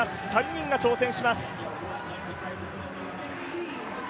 ３人が挑戦します。